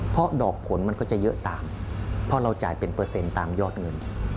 เพราะดอกผลมันก็จะเยอะตามเพราะเราจ่ายเป็นเปอร์เซ็นต์ตามยอดเงิน